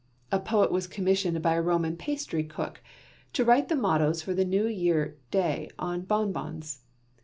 A poet was commissioned by a Roman pastry cook to write the mottoes for the New Year day bonbons.